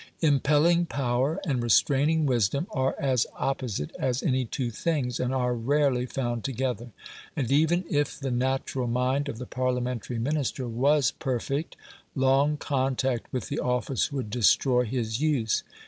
Impelling power and restraining wisdom are as opposite as any two things, and are rarely found together. And even if the natural mind of the Parliamentary Minister was perfect, long contact with the office would destroy his use.